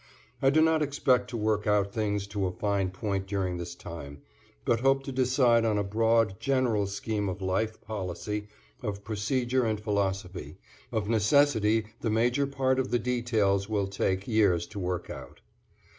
I do not expect to work out things to a fine point during this time, but hope to decide on a broad, general scheme of life policy of procedure and philosophy; of necessity the major part of the details will take years to work out.